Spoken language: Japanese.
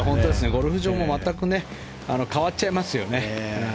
ゴルフ場も全く変わっちゃいますよね。